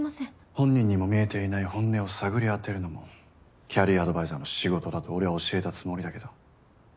本人にも見えていない本音を探り当てるのもキャリアアドバイザーの仕事だと俺は教えたつもりだけど。